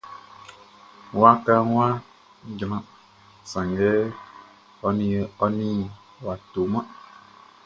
Wakaʼn wʼa jran, sanngɛ ɔ nin a tɔman.